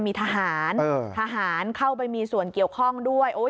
มีทหารทหารเข้าไปมีส่วนเกี่ยวข้องด้วย